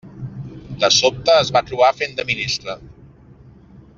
De sobte es va trobar fent de ministre.